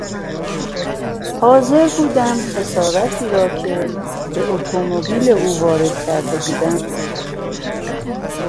حاضر بودم خسارتی را که به اتومبیل او وارد کرده بودم جبران کنم.